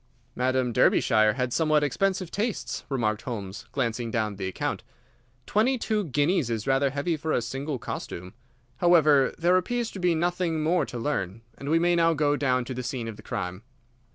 "Madam Derbyshire had somewhat expensive tastes," remarked Holmes, glancing down the account. "Twenty two guineas is rather heavy for a single costume. However there appears to be nothing more to learn, and we may now go down to the scene of the crime."